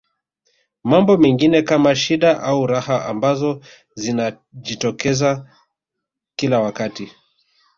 Mambo mengine kama shida au raha ambazo zinajitokeza kila wakati